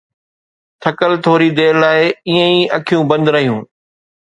ٿڪل، ٿوري دير لاءِ ائين ئي اکيون بند رهيو